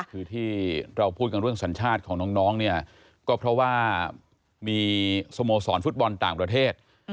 คือที่เราพูดกันเรื่องสัญชาติของน้องเนี่ยก็เพราะว่ามีสโมสรฟุตบอลต่างประเทศ